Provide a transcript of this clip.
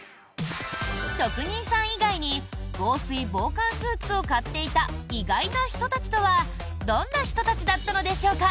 職人さん以外に防水防寒スーツを買っていた意外な人たちとはどんな人たちだったのでしょうか。